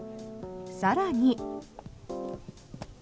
更に。